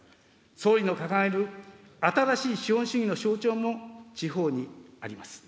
総理の掲げる新しい資本主義の象徴も、地方にあります。